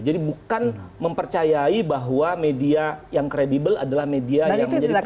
jadi bukan mempercayai bahwa media yang kredibel adalah media yang menjadi kunci